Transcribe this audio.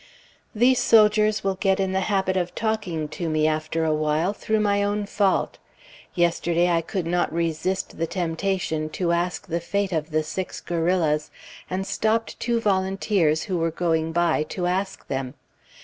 These soldiers will get in the habit of talking to me after a while, through my own fault. Yesterday I could not resist the temptation to ask the fate of the six guerrillas, and stopped two volunteers who were going by, to ask them.